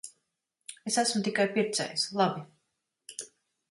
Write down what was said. Es esmu tikai pircējs. Labi.